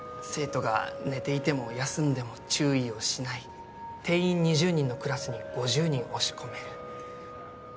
生徒が寝ていても休んでも注意をしない定員２０人のクラスに５０人押し込める